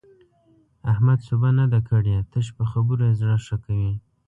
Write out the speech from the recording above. احمد سوبه نه ده کړې؛ تش په خبرو يې زړه ښه کوي.